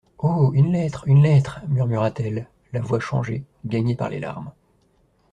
Oh ! une lettre, une lettre, murmura-t-elle, la voix changée, gagnée par les larmes.